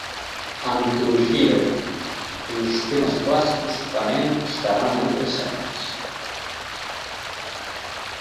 A mitoloxía e os temas clásicos tamén estarán moi presentes.